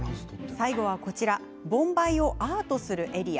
最後は、こちら盆梅をアートするエリア。